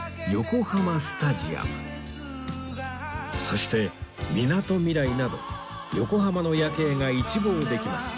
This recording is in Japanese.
そしてみなとみらいなど横浜の夜景が一望できます